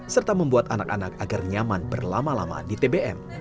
serta membuat anak anak agar nyaman berlama lama di tbm